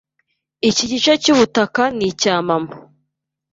Iki gice cyubutaka ni icya mama.